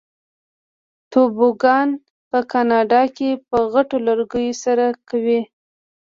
توبوګان په کاناډا کې په غټو لرګیو سره کوي.